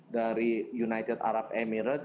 dari united arab emirates